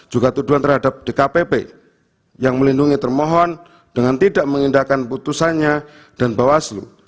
juga tuduhan terhadap dkpp yang melindungi termohon dengan tidak mengindahkan putusannya dan bawaslu